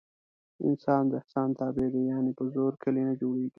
انسان د احسان تابع دی. یعنې په زور کلي نه جوړېږي.